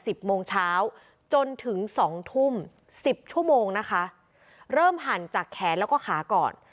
สิบโมงเช้าจนถึงสองทุ่มสิบชั่วโมงนะคะเริ่มหั่นจากแขนแล้วก็ขาก่อน